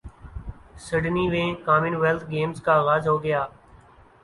Sydney ویں commonwealth games کا اغاز ہو گیا